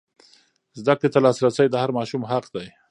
زده کړې ته لاسرسی د هر ماشوم حق دی.